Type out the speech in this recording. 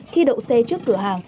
khi đậu xe trước cửa hàng